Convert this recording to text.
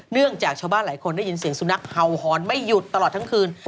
จากชาวบ้านหลายคนได้ยินเสียงสุนัขเห่าหอนไม่หยุดตลอดทั้งคืน